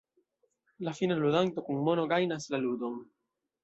La fina ludanto kun mono gajnas la ludon.